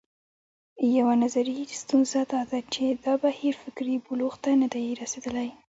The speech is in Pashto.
یوه نظري ستونزه دا ده چې دا بهیر فکري بلوغ ته نه دی رسېدلی.